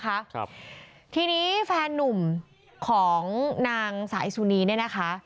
ครับทีนี้แฟนนุ่มของนางสายสุนีเนี่ยนะคะ